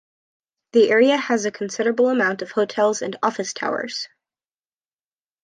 The area has a considerable amount of hotels and office towers.